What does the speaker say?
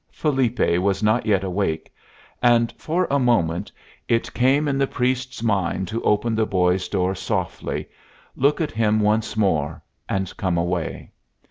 Felipe was not yet awake, and for a moment it came in the priest's mind to open the boy's door softly, look at him once more, and come away.